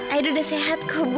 aida udah sehat kok bu